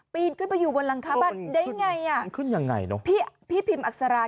ปีนขึ้นไปอยู่บนหลังคาบ้านได้อย่างไรน่ะพี่พิมป์อักษรา